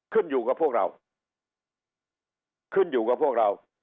ขึ้นอยู่กับพวกเราขึ้นอยู่กับพวกเรา